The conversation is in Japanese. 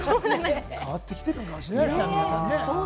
変わってきてるのかもしれないですねぇ、アンミカさん。